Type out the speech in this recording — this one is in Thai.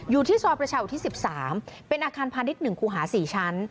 อยู่ที่ซอยประชาอุทิศ๑๓เป็นอาคารพาณิชย์๑คูหา๔ชั้น